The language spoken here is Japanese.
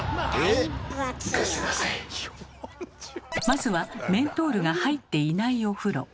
まずはメントールが入っていないお風呂。